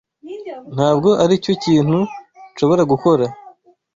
Ntabwo aricyo kintu nshobora gukora.